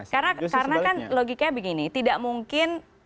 karena kan logiknya begini